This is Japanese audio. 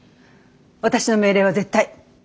私の命令は絶対。